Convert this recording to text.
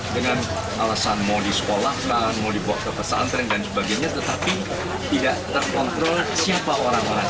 dengan alasan mau disekolahkan mau dibuat kepesantren dan sebagainya tetapi tidak terkontrol siapa orang orang ini